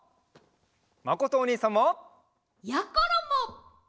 まことおにいさんも！やころも！